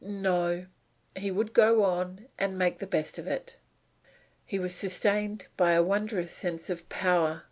No, he would go on, and make the best of it. He was sustained by a wondrous sense of power.